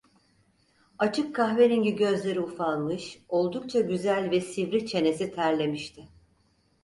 Açık kahverengi gözleri ufalmış, oldukça güzel ve sivri çenesi terlemişti.